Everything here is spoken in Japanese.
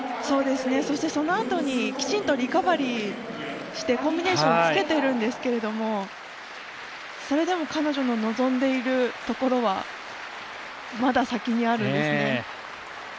そして、そのあとにきちんとリカバリーしてコンビネーションをつけているんですけどそれでも彼女の望んでいるところはまだ先にあるんですね。